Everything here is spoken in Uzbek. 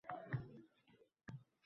Xo`jayinim ham o`zgarib qoldi